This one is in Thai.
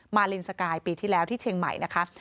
ลินสกายปีที่แล้วที่เชียงใหม่นะคะ